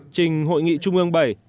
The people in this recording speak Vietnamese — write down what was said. trình hội nghị trung ương bảy